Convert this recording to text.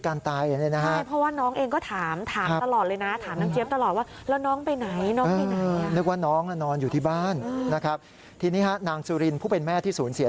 คือการตายเลยนะครับครับ